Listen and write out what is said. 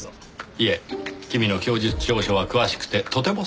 いえ君の供述調書は詳しくてとても参考になります。